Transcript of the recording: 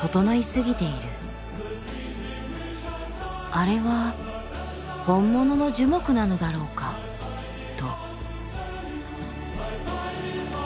あれは本物の樹木なのだろうかと。